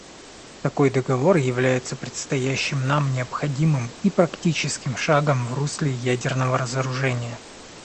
Такой договор является предстоящим нам необходимым и практическим шагом в русле ядерного разоружения.